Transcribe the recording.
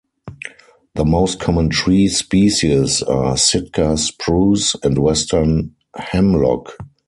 The most common tree species are sitka spruce and western hemlock.